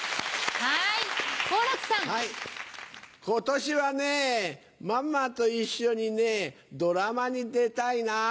今年はねママと一緒にねドラマに出たいな。